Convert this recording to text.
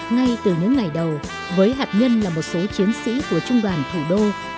ngay từ những ngày đầu với hạt nhân là một số chiến sĩ của trung đoàn thủ đô